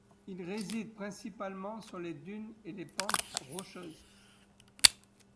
Il réside principalement sur les dunes et les pentes rocheuses.